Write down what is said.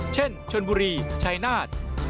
เช่นชนบุรีชายนาฏ